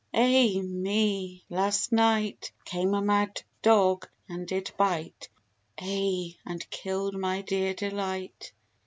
ai me! Last night Came a mad dog, and did bite, Ay, and kill'd my dear delight.